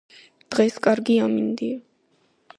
დღეს კარგი ამინდია.